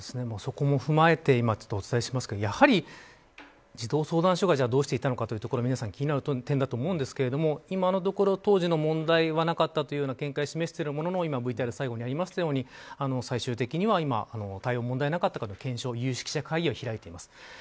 そこも踏まえてお伝えしますけどやはり児童相談所がどうしていたのかというところ皆さん気になる点だと思うんですけど今のところ、当時の問題はなかったという見解を示しているもののＶＴＲの最後にありましたように最終的には対応に問題がなかったか有識者会議を開いています。